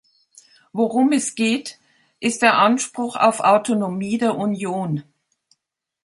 Worum es geht, ist der Anspruch auf Autonomie der Union.